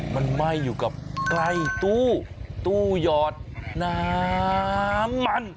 มันไหม้อยู่กับใกล้ตู้ตู้หยอดน้ำมัน